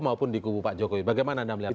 maupun di kubu pak jokowi bagaimana anda melihatnya